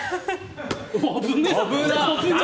危ねえな。